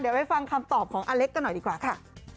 เดี๋ยวไปฟังคำตอบของอเล็กกันหน่อยดีกว่าค่ะ